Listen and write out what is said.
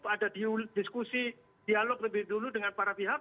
ada diskusi dialog lebih dulu dengan para pihak